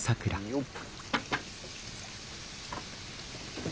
よっ！